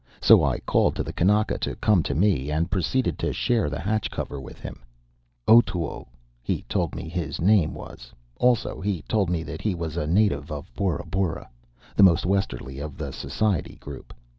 So I called to the kanaka to come to me, and proceeded to share the hatch cover with him. Otoo, he told me his name was (pronounced o to o ); also, he told me that he was a native of Bora Bora, the most westerly of the Society Group.